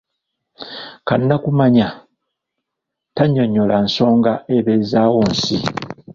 Kannakumanya tannyonnyola nsonga ebezaawo nsi.